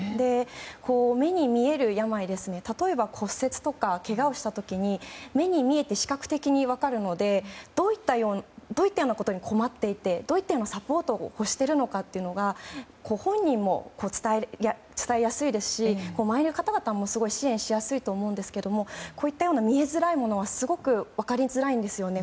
目に見える病ですので例えば、骨折やけがをした時って目に見えて視覚的に分かるのでどういったことに困っていてどういったサポートをしているのか本人も伝えやすいですし周りの方々も支援しやすいと思いますけどこういった見えづらいものはすごく分かりづらいんですよね